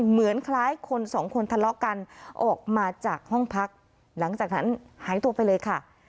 เหมือนคล้ายคนสองคนทะเลาะกันออกมาจากห้องพักหลังจากนั้นหายตัวไปเลยค่ะ